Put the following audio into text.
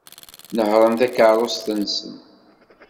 Nehhṛen takeṛṛust-nsen.